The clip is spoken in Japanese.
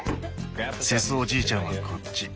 セスおじいちゃんはこっち。